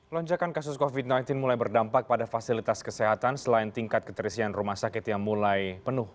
lonjakan kasus covid sembilan belas mulai berdampak pada fasilitas kesehatan selain tingkat keterisian rumah sakit yang mulai penuh